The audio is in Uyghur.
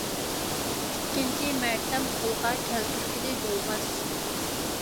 ئىككىنچى مەرتەم قولغا كەلتۈرگىلى بولماس.